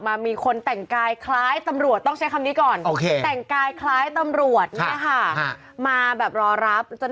ว้าวนี่คือรถของเรานี่คือรถตำรวจ